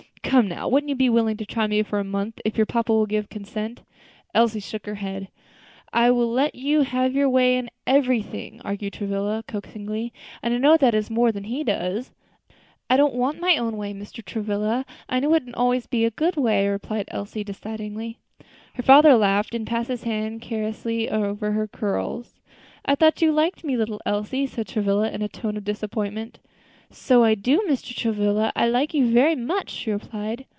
Come, now, wouldn't you be willing to try me for a month, if your papa will give consent?" Elsie shook her head. "I will let you have your own way in everything," urged Travilla, coaxingly; "and I know that is more than he does." "I don't want my own way, Mr. Travilla; I know it wouldn't always be a good way," replied Elsie, decidedly. Her father laughed and passed his hand caressingly over her curls. "I thought you liked me, little Elsie," said Travilla, in a tone of disappointment. "So I do, Mr. Travilla; I like you very much," she replied.